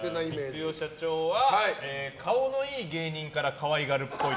光代社長は顔のいい芸人から可愛がるっぽい。